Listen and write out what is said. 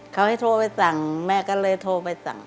เขาให้โทรไปสั่งแม่ก็เลยโทรไปสั่ง